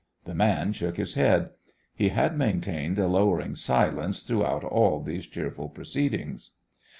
The man shook his head. He had maintained a lowering silence throughout all these cheerful proceedings.